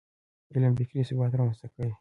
علم فکري ثبات رامنځته کوي.